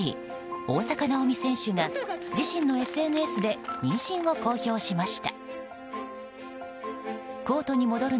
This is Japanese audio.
大坂なおみ選手が自身のＳＮＳで妊娠を公表しました。